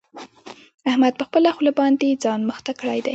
احمد په خپله خوله باندې ځان مخته کړی دی.